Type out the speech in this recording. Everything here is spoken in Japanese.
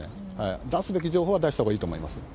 出すべき情報は出したほうがいいと思います。